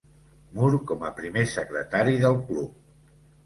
Moore com a primer secretari del club.